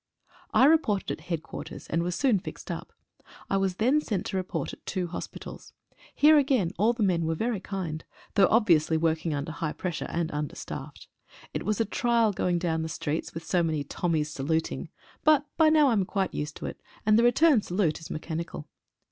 I reported at Headquarters, and was soon fixed up. I was then sent to report at two hospitals. Here again all the men were very kind, though obviously working under high pressure and understaffed. It was a trial going down the streets with so many Tommies saluting, but by now I am quite used to it, and the return salute is mechanical.